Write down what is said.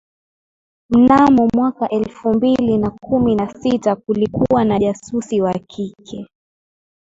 mnamo mwaka elfu mbili na kumi na sita kulikuwa na jasusi wa kike